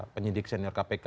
penyidik senior kpk